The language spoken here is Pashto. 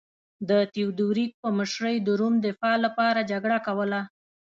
د تیودوریک په مشرۍ د روم دفاع لپاره جګړه کوله